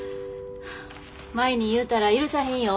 舞に言うたら許さへんよ。